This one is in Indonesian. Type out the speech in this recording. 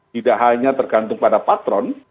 tidak hanya tergantung pada patron